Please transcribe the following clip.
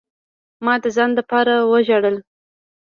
ما د ځان د پاره وجړل.